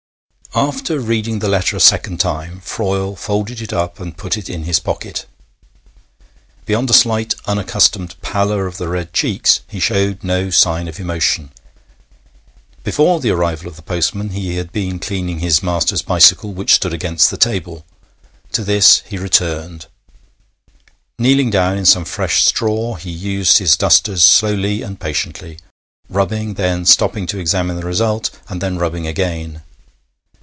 After reading the letter a second time, Froyle folded it up and put it in his pocket. Beyond a slight unaccustomed pallor of the red cheeks, he showed no sign of emotion. Before the arrival of the postman he had been cleaning his master's bicycle, which stood against the table. To this he returned. Kneeling down in some fresh straw, he used his dusters slowly and patiently rubbing, then stopping to examine the result, and then rubbing again.